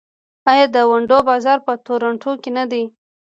آیا د ونډو بازار په تورنټو کې نه دی؟